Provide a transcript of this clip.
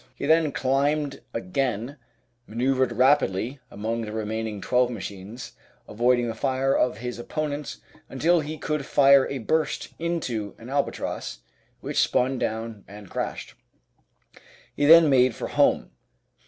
He then climbed again, man oeuvred rapidly among the remaining twelve machines, avoiding the fire of his opponents until he could fire a burst into an Alba tross, which spun down and crashed. He then made for home.